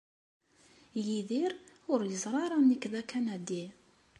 Yidir ur yeẓri ara nekk d akanadi.